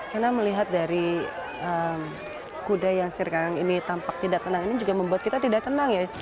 karena melihat dari kuda yang sirkang ini tampak tidak tenang ini juga membuat kita tidak tenang ya